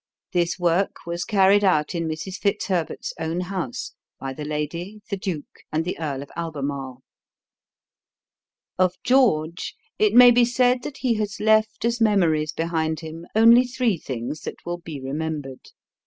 This work was carried out in Mrs. Fitzherbert's own house by the lady, the duke, and the Earl of Albemarle. Of George it may be said that he has left as memories behind him only three things that will be remembered.